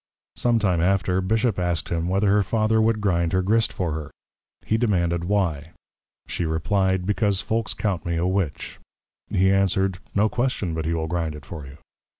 Some time after, Bishop asked him, whether her Father would grind her Grist for her? He demanded why? She reply'd, Because Folks count me a Witch. He answered, _No question but he will grind it for you.